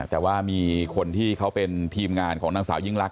แต่ว่ามีคนที่เขาเป็นทีมงานของนางสาวยิ่งลักษ